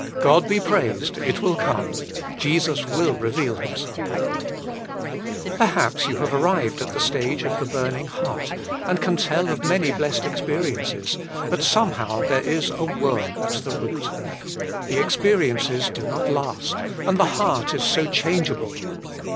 God be praised I it will come. 5e0U0 will reveal f)im6elf» Perhaps you have arrived at the stage of the burning heart, and can tell of many blessed experiences, but somehow there is a worm at the root. The experiences do not last, and the heart is so changeable.